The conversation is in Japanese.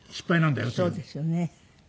そうですよね。